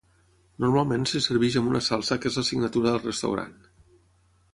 Normalment se serveix amb una salsa que és la signatura del restaurant.